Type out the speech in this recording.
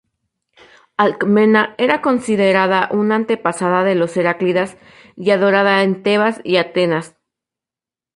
Alcmena era considerada una antepasada de los heráclidas, y adorada en Tebas y Atenas.